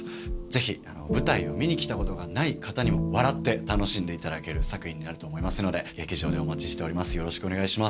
ぜひ、舞台を見に来たことがない方にも笑って楽しんでいただける作品になると思いますので、劇場でお待ちしております。